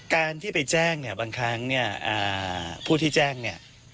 การที่ไปแจ้งเนี่ยบางครั้งเนี่ยผู้ที่แจ้งเนี่ย